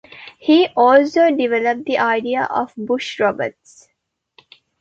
He also developed the idea of bush robots.